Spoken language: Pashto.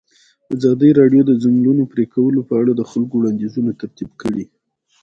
ازادي راډیو د د ځنګلونو پرېکول په اړه د خلکو وړاندیزونه ترتیب کړي.